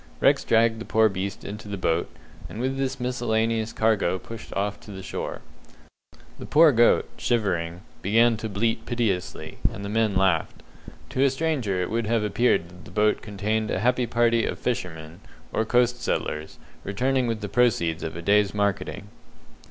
Rex dragged the poor beast into the boat, and with this miscellaneous cargo pushed off to the shore. The poor goat, shivering, began to bleat piteously, and the men laughed. To a stranger it would have appeared that the boat contained a happy party of fishermen, or coast settlers, returning with the proceeds of a day's marketing.